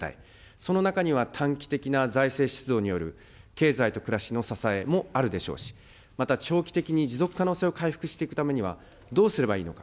その中には短期的な財政出動による経済と暮らしの支えもあるでしょうし、また長期的に持続可能性を回復していくためには、どうすればいいのか。